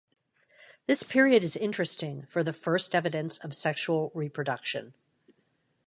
This period is interesting for the first evidence of sexual reproduction.